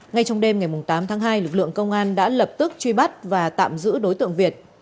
ngay trong đêm ngày tám tháng hai lực lượng công an đã lập tức truy bắt và tạm giữ đối tượng việt